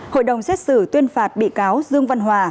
hội đồng xét xử tuyên phạt bị cáo dương văn hòa